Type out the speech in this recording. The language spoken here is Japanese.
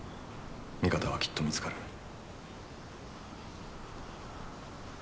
味方はきっと見つかる。